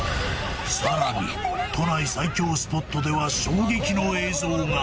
さらに都内最恐スポットでは衝撃の映像が！